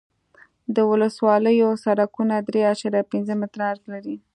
د ولسوالیو سرکونه درې اعشاریه پنځه متره عرض لري